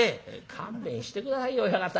「勘弁して下さいよ親方。